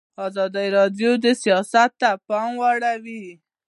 ازادي راډیو د سیاست ته پام اړولی.